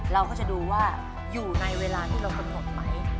เราก็จะดูว่าอยู่ในเวลาที่เรากำหนดไหม